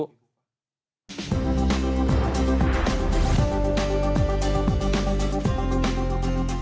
โปรดติดตามตอนต่อมา